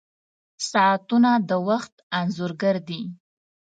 • ساعتونه د وخت انځور ګر دي.